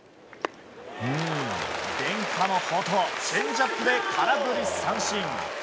伝家の宝刀チェンジアップで空振り三振。